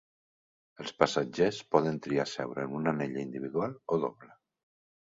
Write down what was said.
Els passatgers poden triar seure en una anella individual o doble.